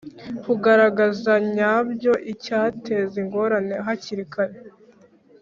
Kugaragaza nyabyo icyateza ingorane hakiri kare